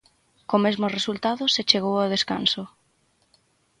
Co mesmo resultado se chegou ao descanso.